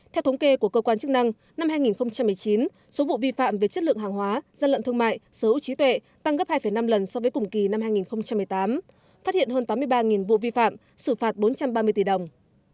theo thống kê của cơ quan chức năng năm hai nghìn một mươi chín số vụ vi phạm về chất lượng hàng hóa gian lận thương mại sở hữu trí tuệ tăng gấp hai năm lần so với cùng kỳ năm hai nghìn một mươi tám phát hiện hơn tám mươi ba vụ vi phạm xử phạt bốn trăm ba mươi tỷ đồng